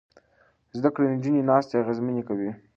زده کړې نجونې ناستې اغېزمنې کوي.